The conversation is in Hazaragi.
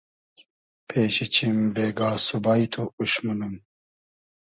پېشی چیم بېگا سوبای تو اوش مونوم